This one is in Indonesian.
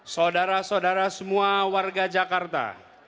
saudara saudara semua warga jakarta